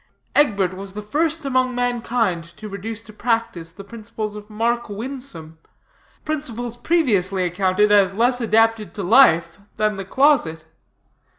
Egbert was the first among mankind to reduce to practice the principles of Mark Winsome principles previously accounted as less adapted to life than the closet.